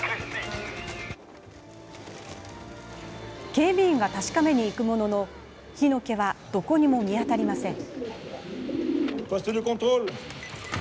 警備員が確かめに行くものの火の気はどこにも見当たりません。